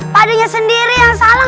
padenya sendiri yang salah